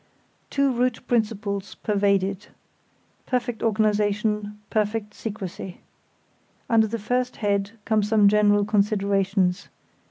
Two root principles pervade it: perfect organisation; perfect secrecy. Under the first head come some general considerations.